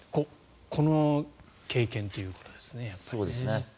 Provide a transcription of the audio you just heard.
この経験ということですね。